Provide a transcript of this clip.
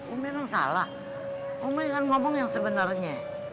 umi kan salah umi kan ngomong yang sebenarnya